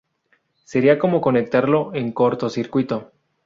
Sería como conectarlo en cortocircuito.